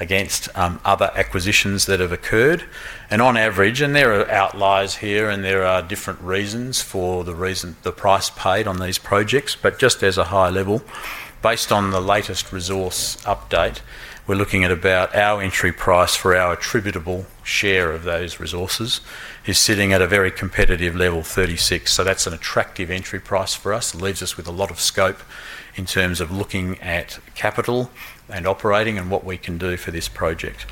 again against other acquisitions that have occurred, and on average, and there are outliers here and there are different reasons for the price paid on these projects, but just as a high level, based on the latest resource update, we're looking at about our entry price for our attributable share of those resources is sitting at a very competitive level, 36, so that's an attractive entry price for us. It leaves us with a lot of scope in terms of looking at capital and operating and what we can do for this project.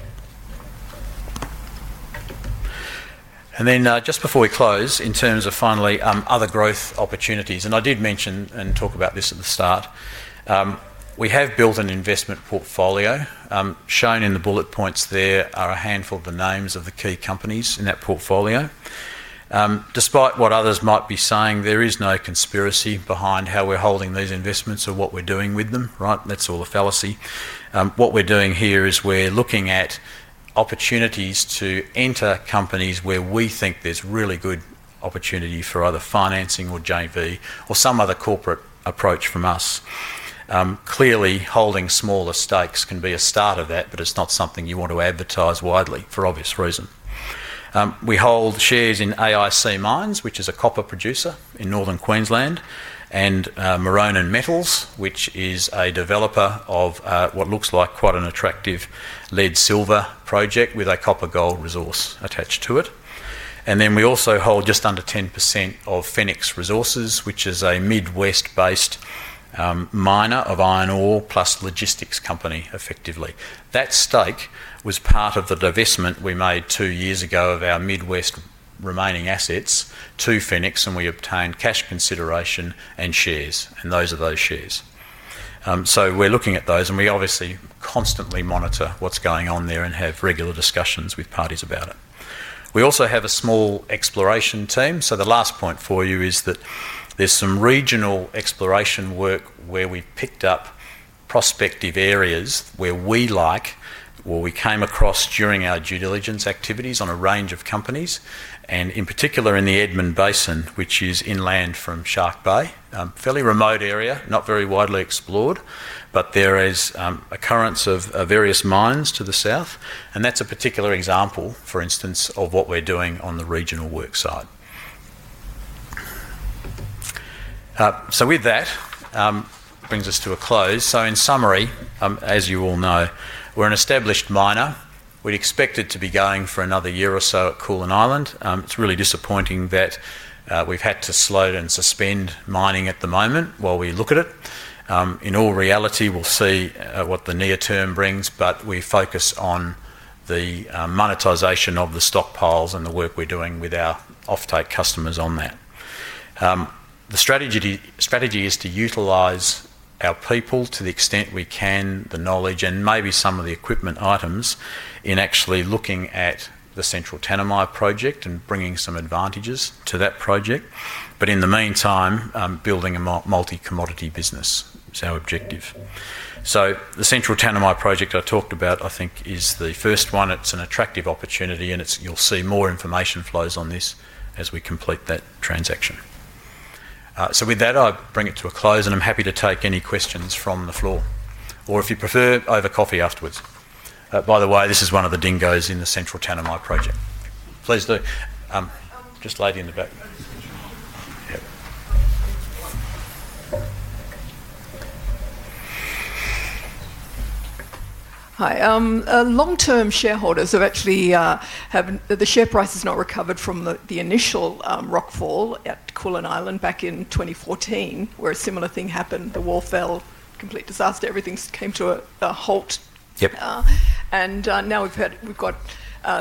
Just before we close, in terms of finally other growth opportunities, and I did mention and talk about this at the start, we have built an investment portfolio. Shown in the bullet points there are a handful of the names of the key companies in that portfolio. Despite what others might be saying, there is no conspiracy behind how we're holding these investments or what we're doing with them, right? That's all a fallacy. What we're doing here is we're looking at opportunities to enter companies where we think there's really good opportunity for either financing or JV or some other corporate approach from us. Clearly, holding smaller stakes can be a start of that, but it's not something you want to advertise widely for obvious reason. We hold shares in AIC Mines, which is a copper producer in Northern Queensland, and Morella Metals, which is a developer of what looks like quite an attractive lead silver project with a copper gold resource attached to it. We also hold just under 10% of Fenix Resources, which is a Midwest-based miner of iron ore plus logistics company effectively. That stake was part of the divestment we made two years ago of our Midwest remaining assets to Fenix, and we obtained cash consideration and shares, and those are those shares. We are looking at those, and we obviously constantly monitor what's going on there and have regular discussions with parties about it. We also have a small exploration team, so the last point for you is that there's some regional exploration work where we picked up prospective areas where we like, or we came across during our due diligence activities on a range of companies, and in particular in the Eromanga Basin, which is inland from Shark Bay, a fairly remote area, not very widely explored, but there is occurrence of various mines to the south, and that's a particular example, for instance, of what we're doing on the regional work site. With that, brings us to a close. In summary, as you all know, we're an established miner. We'd expect it to be going for another year or so at Koolyanobbing. It's really disappointing that we've had to slow and suspend mining at the moment while we look at it. In all reality, we'll see what the near term brings, but we focus on the monetisation of the stockpiles and the work we're doing with our offtake customers on that. The strategy is to utilise our people to the extent we can, the knowledge, and maybe some of the equipment items in actually looking at the Central Tanami Gold Project and bringing some advantages to that project. In the meantime, building a multi-commodity business is our objective. The Central Tanami Gold Project I talked about, I think, is the first one. It's an attractive opportunity, and you'll see more information flows on this as we complete that transaction. With that, I bring it to a close, and I'm happy to take any questions from the floor, or if you prefer, over coffee afterwards. By the way, this is one of the dingoes in the Central Tanami Gold Project. Please do. Just ladies in the back. Hi. Long-term shareholders have actually had the share price has not recovered from the initial rock fall at Koolyanobbing back in 2014, where a similar thing happened. The wall fell, complete disaster. Everything came to a halt. Now we've got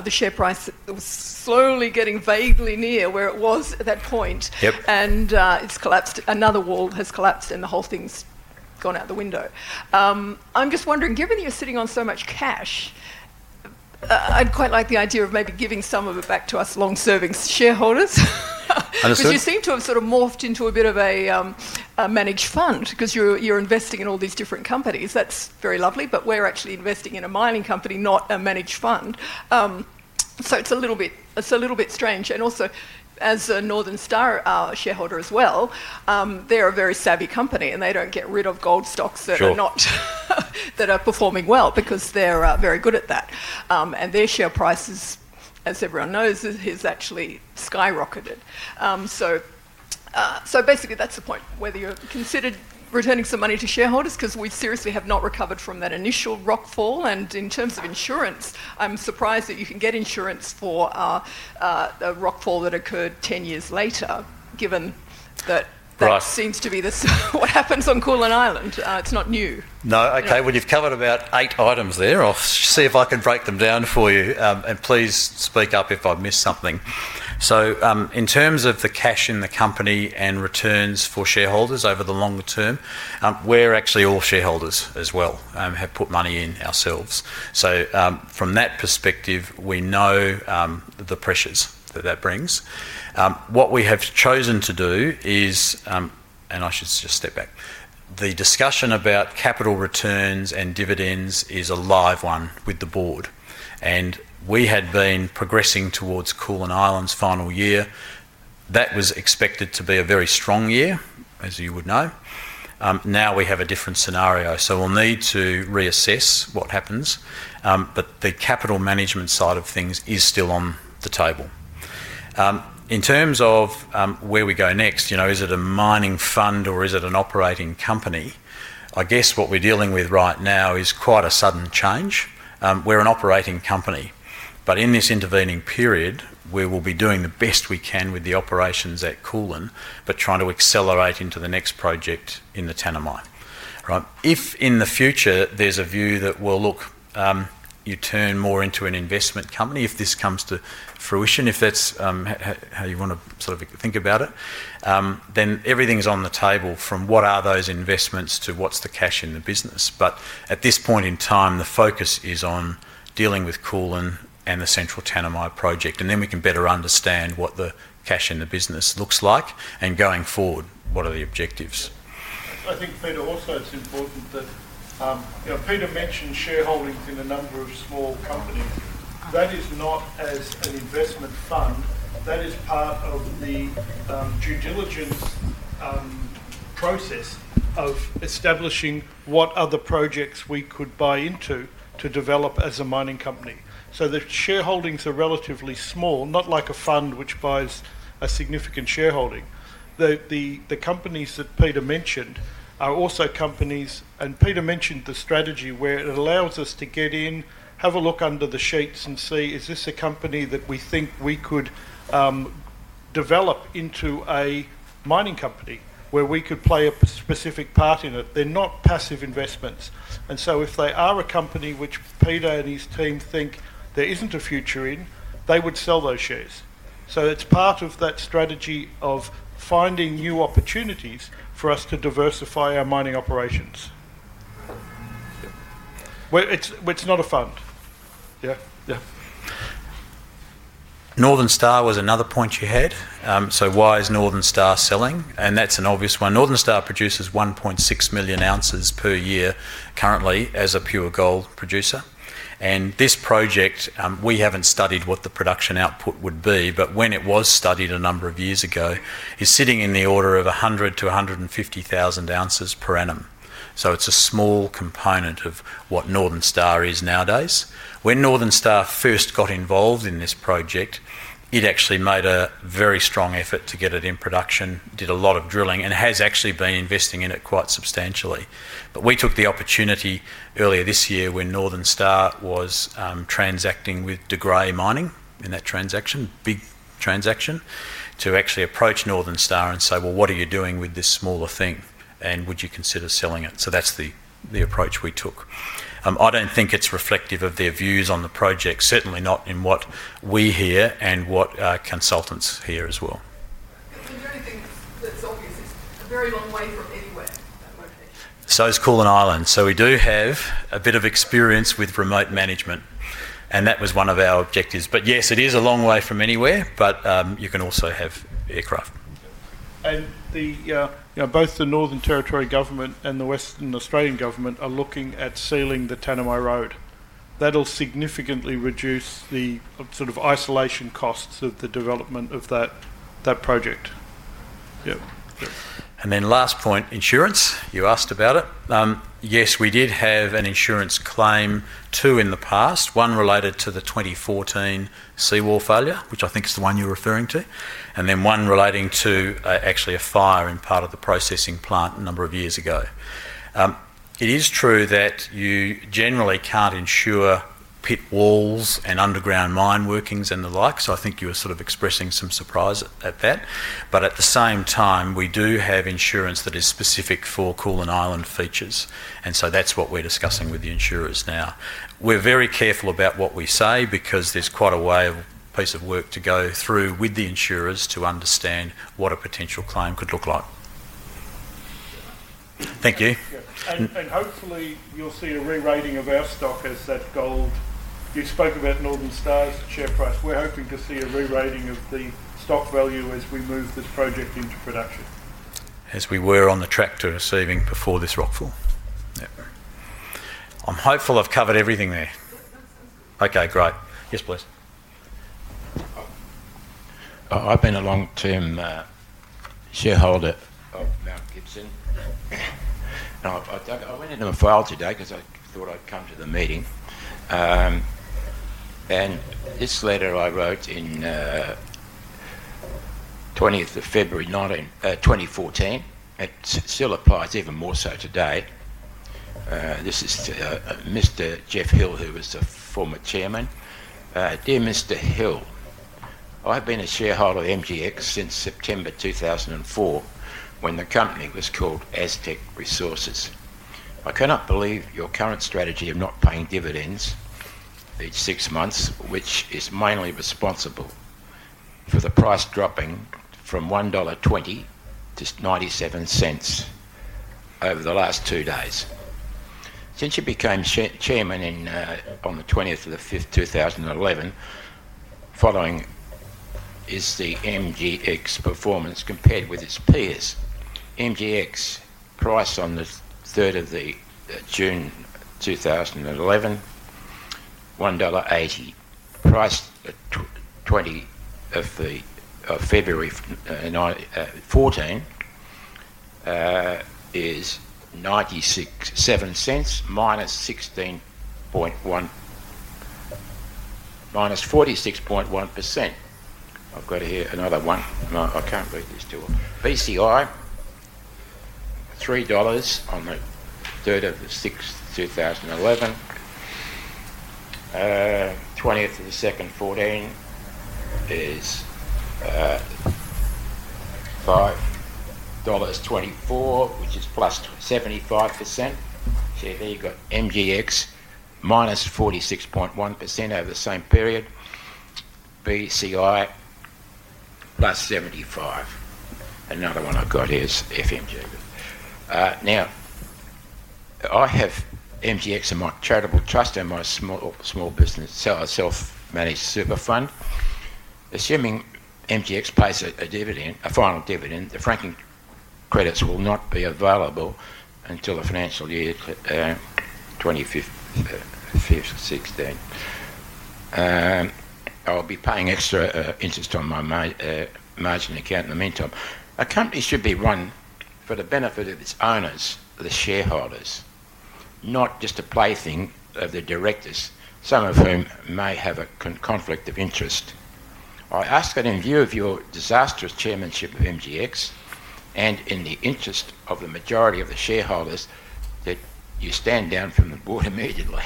the share price that was slowly getting vaguely near where it was at that point, and it's collapsed. Another wall has collapsed, and the whole thing's gone out the window. I'm just wondering, given you're sitting on so much cash, I'd quite like the idea of maybe giving some of it back to us long-serving shareholders. Because you seem to have sort of morphed into a bit of a managed fund because you're investing in all these different companies. That's very lovely, but we're actually investing in a mining company, not a managed fund. It's a little bit strange. Also, as a Northern Star shareholder as well, they're a very savvy company, and they don't get rid of gold stocks that are performing well because they're very good at that. Their share price, as everyone knows, has actually skyrocketed. Basically, that's the point, whether you're considered returning some money to shareholders because we seriously have not recovered from that initial rock fall. In terms of insurance, I'm surprised that you can get insurance for a rock fall that occurred 10 years later, given that that seems to be what happens on Koolyanobbing. It's not new. No, okay. You have covered about eight items there. I'll see if I can break them down for you, and please speak up if I've missed something. In terms of the cash in the company and returns for shareholders over the longer term, we're actually all shareholders as well and have put money in ourselves. From that perspective, we know the pressures that that brings. What we have chosen to do is, and I should just step back, the discussion about capital returns and dividends is a live one with the board. We had been progressing towards Koolyanobbing's final year. That was expected to be a very strong year, as you would know. Now we have a different scenario, so we'll need to reassess what happens, but the capital management side of things is still on the table. In terms of where we go next, is it a mining fund or is it an operating company? I guess what we're dealing with right now is quite a sudden change. We're an operating company, but in this intervening period, we will be doing the best we can with the operations at Koolyanobbing, but trying to accelerate into the next project in the Tanami. If in the future there's a view that, look, you turn more into an investment company if this comes to fruition, if that's how you want to sort of think about it, then everything's on the table from what are those investments to what's the cash in the business. At this point in time, the focus is on dealing with Koolyanobbing and the Central Tanami Gold Project, and then we can better understand what the cash in the business looks like and going forward, what are the objectives. I think, Peter, also it's important that Peter mentioned shareholdings in a number of small companies. That is not as an investment fund. That is part of the due diligence process of establishing what other projects we could buy into to develop as a mining company. The shareholdings are relatively small, not like a fund which buys a significant shareholding. The companies that Peter mentioned are also companies, and Peter mentioned the strategy where it allows us to get in, have a look under the sheets and see, is this a company that we think we could develop into a mining company where we could play a specific part in it? They're not passive investments. If they are a company which Peter and his team think there isn't a future in, they would sell those shares. It is part of that strategy of finding new opportunities for us to diversify our mining operations. It's not a fund. Yeah? Yeah. Northern Star was another point you had. Why is Northern Star selling? That is an obvious one. Northern Star produces 1.6 million oz per year currently as a pure gold producer. This project, we have not studied what the production output would be, but when it was studied a number of years ago, is sitting in the order of 100,000-150,000 oz per annum. It is a small component of what Northern Star is nowadays. When Northern Star first got involved in this project, it actually made a very strong effort to get it in production, did a lot of drilling, and has actually been investing in it quite substantially. We took the opportunity earlier this year when Northern Star was transacting with De Grey Mining in that transaction, big transaction, to actually approach Northern Star and say, "Well, what are you doing with this smaller thing, and would you consider selling it?" That is the approach we took. I do not think it is reflective of their views on the project, certainly not in what we hear and what consultants hear as well. Is there anything that is obvious? It is a very long way from anywhere, that location. It is Koolyanobbing. We do have a bit of experience with remote management, and that was one of our objectives. Yes, it is a long way from anywhere, but you can also have aircraft. Both the Northern Territory Government and the Western Australian Government are looking at sealing the Tanami Road. That'll significantly reduce the sort of isolation costs of the development of that project. Yeah. And then last point, insurance. You asked about it. Yes, we did have an insurance claim too in the past, one related to the 2014 seawall failure, which I think is the one you're referring to, and then one relating to actually a fire in part of the processing plant a number of years ago. It is true that you generally can't insure pit walls and underground mine workings and the like, so I think you were sort of expressing some surprise at that. At the same time, we do have insurance that is specific for Koolyanobbing features, and so that's what we're discussing with the insurers now. We're very careful about what we say because there's quite a way of piece of work to go through with the insurers to understand what a potential claim could look like. Thank you. Hopefully, you'll see a re-rating of our stock as that gold. You spoke about Northern Star's share price. We're hoping to see a re-rating of the stock value as we move this project into production. As we were on the track to receiving before this rock fall. Yeah. I'm hopeful I've covered everything there. Okay, great. Yes, please. I've been a long-term shareholder of Mount Gibson. I went into my file today because I thought I'd come to the meeting. This letter I wrote on 20th of February 2014, it still applies even more so today. This is Mr. Jeff Hill, who was the former chairman. "Dear Mr. Hill, I've been a shareholder of MGX since September 2004 when the company was called Aztec Resources. I cannot believe your current strategy of not paying dividends each six months, which is mainly responsible for the price dropping from 1.20 dollar to 0.97 over the last two days. Since you became chairman on the 20th of the 5th, 2011, following is the MGX performance compared with its peers. MGX price on the 3rd of June 2011, AUD 1.80. Price 20th of February 2014 is AUD 0.97, -46.1%. I've got here another one. I can't read this to you all. BCI, 3 dollars on the 3rd of the 6th, 2011. 20th of the 2nd, 2014 is dollars 5.24, which is +75%. There you've got MGX -46.1% over the same period. BCI +75. Another one I've got here is FMG. Now, I have MGX in my charitable trust and my small business self-managed super fund. Assuming MGX pays a final dividend, the franking credits will not be available until the financial year 2016. I'll be paying extra interest on my margin account in the meantime. A company should be run for the benefit of its owners, the shareholders, not just a plaything of the directors, some of whom may have a conflict of interest. I ask that in view of your disastrous chairmanship of MGX and in the interest of the majority of the shareholders that you stand down from the board immediately.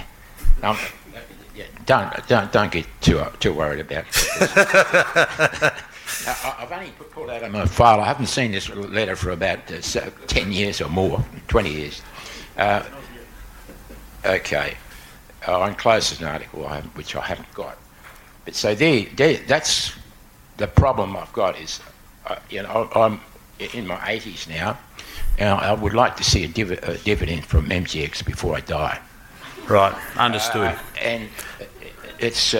Don't get too worried about it. I've only put that in my file. I haven't seen this letter for about 10 years or more, 20 years. Okay. I'm closed as an article which I haven't got. That's the problem I've got is I'm in my 80s now, and I would like to see a dividend from MGX before I die. Right. Understood. It's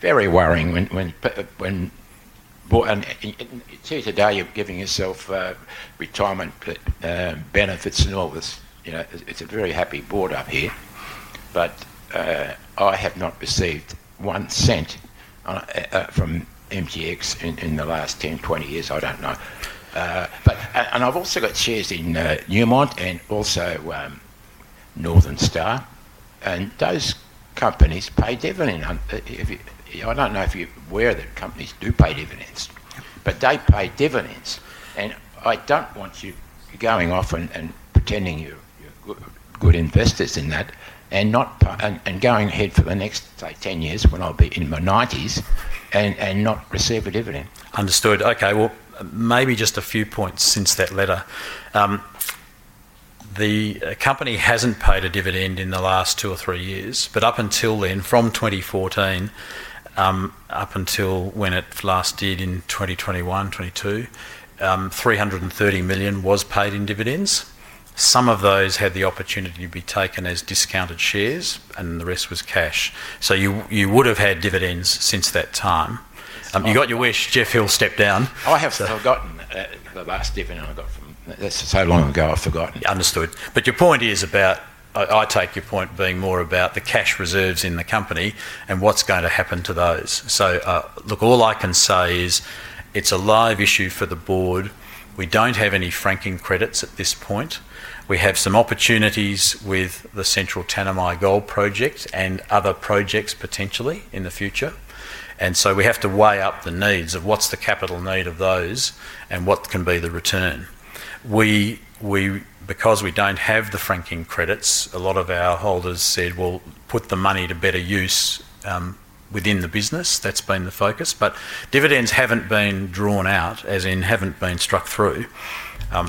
very worrying when board and see today you're giving yourself retirement benefits and all this. It's a very happy board up here, but I have not received one cent from MGX in the last 10-20 years. I don't know. I've also got shares in Newmont and also Northern Star. Those companies pay dividends. I don't know if you're aware that companies do pay dividends, but they pay dividends. I don't want you going off and pretending you're good investors in that and going ahead for the next, say, 10 years when I'll be in my 90s and not receive a dividend. Understood. Okay. Maybe just a few points since that letter. The company hasn't paid a dividend in the last two or three years, but up until then, from 2014 up until when it last did in 2021, 2022, 330 million was paid in dividends. Some of those had the opportunity to be taken as discounted shares, and the rest was cash. You would have had dividends since that time. You got your wish, Jeff Hill stepped down. I have forgotten the last dividend I got from him. That's so long ago, I've forgotten. Understood. Your point is about, I take your point being more about the cash reserves in the company and what's going to happen to those. All I can say is it's a live issue for the board. We don't have any franking credits at this point. We have some opportunities with the Central Tanami Gold Project and other projects potentially in the future. We have to weigh up the needs of what's the capital need of those and what can be the return. Because we don't have the franking credits, a lot of our holders said, "Well, put the money to better use within the business." That's been the focus. Dividends haven't been drawn out, as in haven't been struck through.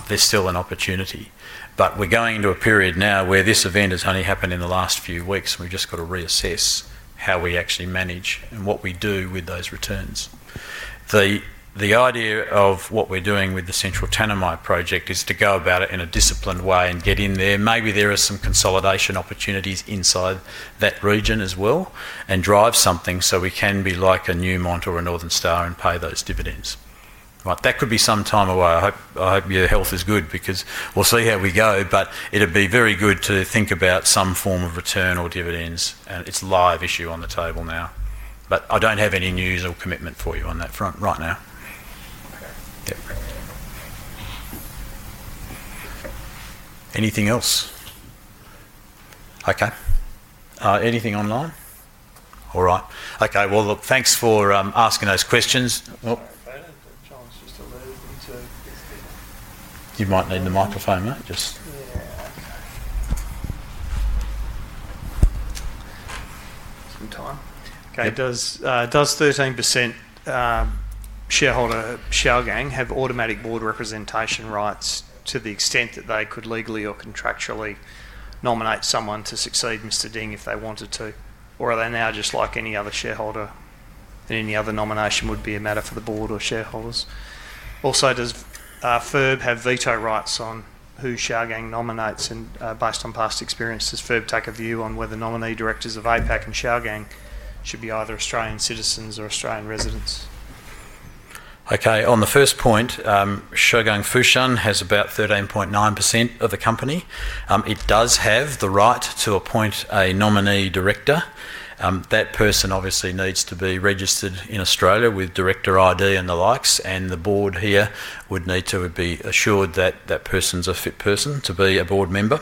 There's still an opportunity. We are going into a period now where this event has only happened in the last few weeks, and we've just got to reassess how we actually manage and what we do with those returns. The idea of what we're doing with the Central Tanami Gold Project is to go about it in a disciplined way and get in there. Maybe there are some consolidation opportunities inside that region as well and drive something so we can be like a Newmont or a Northern Star and pay those dividends. That could be some time away. I hope your health is good because we'll see how we go, but it'd be very good to think about some form of return or dividends. It's a live issue on the table now. I don't have any news or commitment for you on that front right now. Okay. Anything else? Okay. Anything online? All right. Okay. Thanks for asking those questions. I don't think John's just allowed them to. You might need the microphone, mate. Just. Yeah. Okay. Some time. Okay. Does 13% shareholder Shougang have automatic board representation rights to the extent that they could legally or contractually nominate someone to succeed Mr. Ding if they wanted to? Are they now just like any other shareholder? Any other nomination would be a matter for the board or shareholders. Also, does FERB have veto rights on who Shougang Fushan nominates based on past experience? Does FERB take a view on whether nominee directors of APAC and Shougang Fushan should be either Australian citizens or Australian residents? Okay. On the first point, Shougang Fushan has about 13.9% of the company. It does have the right to appoint a nominee director. That person obviously needs to be registered in Australia with director ID and the likes, and the board here would need to be assured that that person is a fit person to be a board member.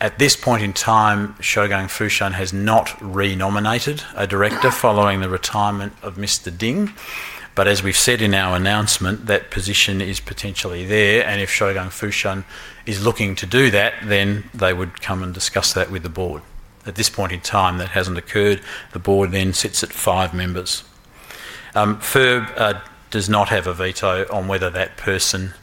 At this point in time, Shougang Fushan has not re-nominated a director following the retirement of Mr. Ding. As we have said in our announcement, that position is potentially there. If Shougang Fushan is looking to do that, then they would come and discuss that with the board. At this point in time, that has not occurred. The board then sits at five members. FERB does not have a veto on whether that person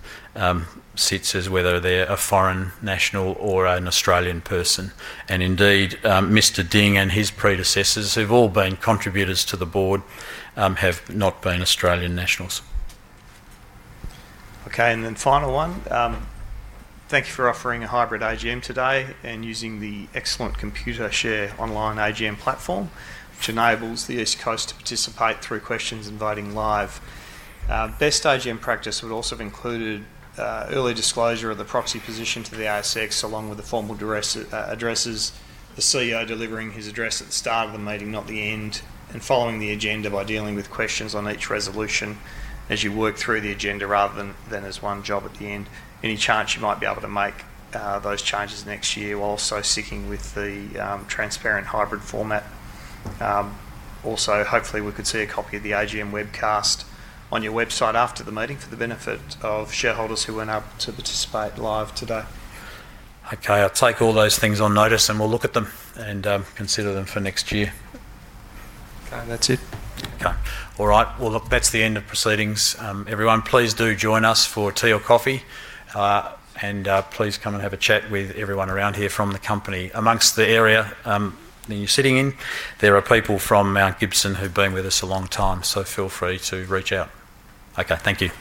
sits as whether they are a foreign national or an Australian person. Indeed, Mr. Ding and his predecessors, who have all been contributors to the board, have not been Australian nationals. Okay. Final one. Thank you for offering a hybrid AGM today and using the excellent Computershare online AGM platform, which enables the East Coast to participate through questions inviting live. Best AGM practice would also have included early disclosure of the proxy position to the ASX, along with the formal addresses, the CEO delivering his address at the start of the meeting, not the end, and following the agenda by dealing with questions on each resolution as you work through the agenda rather than as one job at the end. Any chance you might be able to make those changes next year while also sticking with the transparent hybrid format? Also, hopefully, we could see a copy of the AGM webcast on your website after the meeting for the benefit of shareholders who were not able to participate live today. Okay. I'll take all those things on notice, and we'll look at them and consider them for next year. Okay. That's it. Okay. All right. Look, that's the end of proceedings, everyone. Please do join us for tea or coffee, and please come and have a chat with everyone around here from the company. Amongst the area that you're sitting in, there are people from Mount Gibson who've been with us a long time, so feel free to reach out. Okay. Thank you.